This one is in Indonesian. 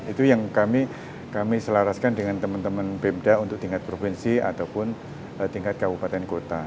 itu yang kami selaraskan dengan teman teman pemda untuk tingkat provinsi ataupun tingkat kabupaten kota